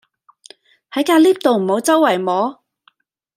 喺架 𨋢 度唔好週圍摸